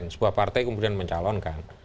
sebuah partai kemudian mencalonkan